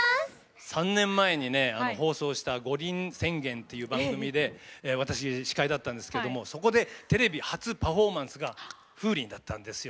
３年前に放送した「五輪宣言！」っていう番組で私司会だったんですけどもそこでテレビ初パフォーマンスがＦｏｏｒｉｎだったんですよ。